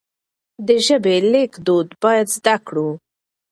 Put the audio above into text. د ژبې ليکدود بايد زده کړو.